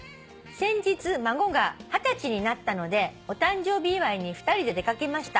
「先日孫が二十歳になったのでお誕生日祝いに２人で出掛けました」